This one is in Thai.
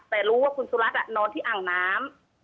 แต่รู้ว่าคุณสุรัตน์นอนที่อ่างน้ำ